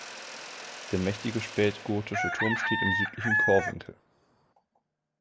Der mächtige spätgotische Turm steht im südlichen Chorwinkel.